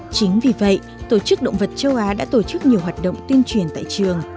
chính vì vậy tổ chức động vật châu á đã tổ chức nhiều hoạt động tuyên truyền tại trường